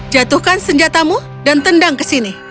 jatuhkan senjatamu dan tendang ke sini